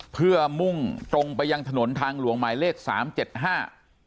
เพื่อมุ่งตรงไปยังถนนทางหลวงหมายเลขสามเจ็ดห้า